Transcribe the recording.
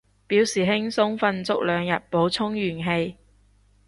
表示輕鬆瞓足兩日，補充元氣